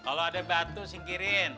kalau ada batu singkirin